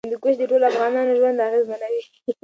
هندوکش د ټولو افغانانو ژوند اغېزمنوي.